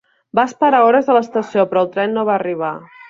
Va esperar hores a l'estació, però el tren no va arribar.